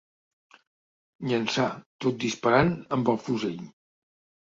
Llançar, tot disparant amb el fusell.